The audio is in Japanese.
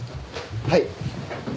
はい。